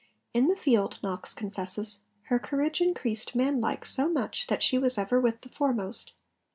In the field, Knox confesses, 'her courage increased manlike so much, that she was ever with the foremost.'